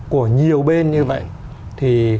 của nhiều bên như vậy thì